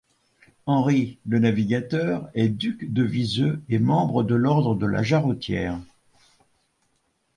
Henri le Navigateur est duc de Viseu et membre de l'ordre de la Jarretière.